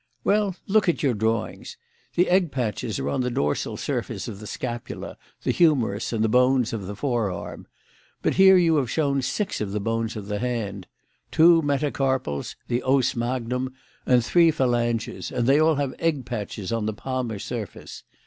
"Well, look at your drawings. The egg patches are on the dorsal surface of the scapula, the humerus, and the bones of the fore arm. But here you have shown six of the bones of the hand: two metacarpals, the os magnum, and three phalanges; and they all have egg patches on the palmar surface.